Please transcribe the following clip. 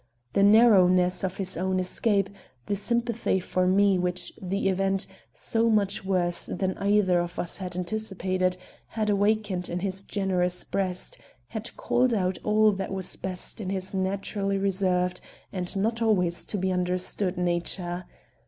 The narrowness of his own escape, the sympathy for me which the event, so much worse than either of us anticipated, had awakened in his generous breast, had called out all that was best in his naturally reserved and not always to be understood nature.